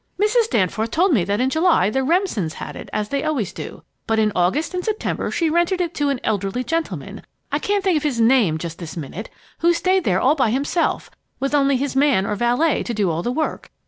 Mrs. Danforth told me that in July the Remsons had it, as they always do. But in August and September she rented it to an elderly gentleman, I can't think of his name, just this minute, who stayed there all by himself, with only his man or valet to do all the work.